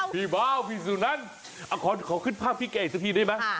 พี่สุนั้นขอขึ้นภาพพี่แกอีกซะทีได้มั้ย